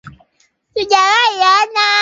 Tunahitaji msaada wako kwa njia ya ushirikiano